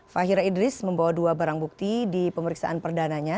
fahira idris membawa dua barang bukti di pemeriksaan perdananya